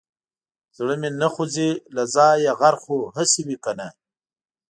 زړه مې نه خوځي له ځايه غر خو هسي وي که نه.